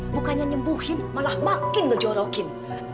bukannya nyembuhin malah makin ngejorokin